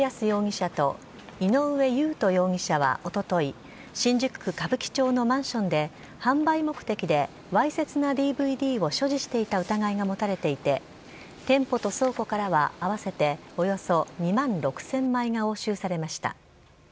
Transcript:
容疑者と井上ゆうと容疑者はおととい、新宿区歌舞伎町のマンションで、販売目的でわいせつなＤＶＤを所持していた疑いが持たれていて、店舗と倉庫からは合わせておよそ２万６０００枚が押収されました。